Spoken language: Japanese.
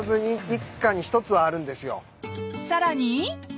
［さらに］